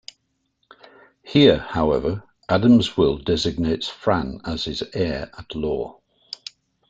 Here, however, Adam's will designates Fran as his heir at law.